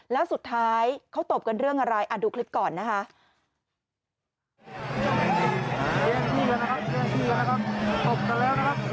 แล้วสุดท้ายเขาตบกันเรื่องอะไรดูคลิปก่อนนะคะ